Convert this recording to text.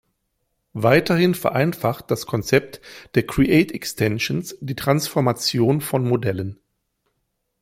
Weiterhin vereinfacht das Konzept der Create Extensions die Transformation von Modellen.